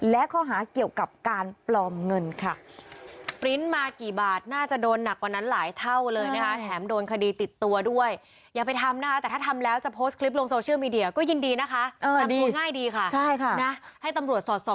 และข้อหาเกี่ยวกับการปลอมเงินค่ะ